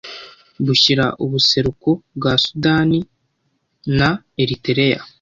bushyira ubuseruko bwaSudanina Eritereya